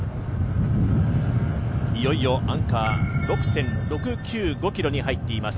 いよいよアンカー６．６９５ｋｍに入っています